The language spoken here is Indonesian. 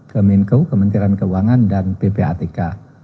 kemenko kementerian keuangan dan ppatk